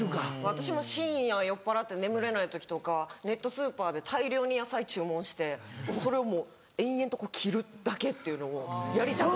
私も深夜酔っぱらって眠れない時とかネットスーパーで大量に野菜注文してそれをもう延々と切るだけっていうのをやりたくなる時が。